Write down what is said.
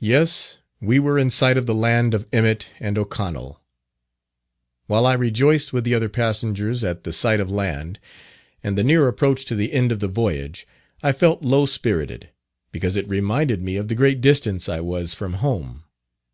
Yes! we were in sight of the land of Emmett and O'Connell. While I rejoiced with the other passengers at the sight of land, and the near approach to the end of the voyage, I felt low spirited, because it reminded me of the great distance I was from home.